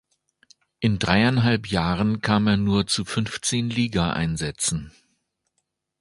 In dreieinhalb Jahren kam er nur zu fünfzehn Ligaeinsätzen.